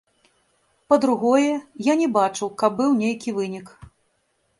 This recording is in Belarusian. Па-другое, я не бачу, каб быў нейкі вынік.